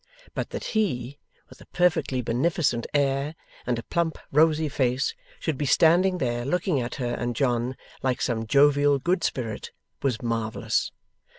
But, that he, with a perfectly beneficent air and a plump rosy face, should be standing there, looking at her and John, like some jovial good spirit, was marvellous.